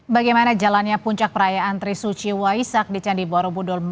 bagaimana jalannya puncak perayaan trisuci waisak di candi borobudur